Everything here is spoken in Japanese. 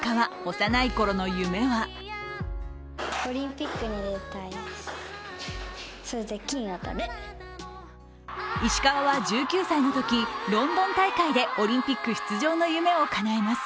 幼いころの夢は石川は１９歳の時、ロンドン大会でオリンピック出場の夢を叶えます。